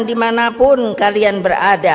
dimanapun kalian berada